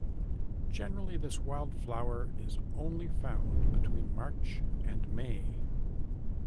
Generally this wildflower is only found between March and May.